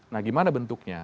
nah gimana bentuknya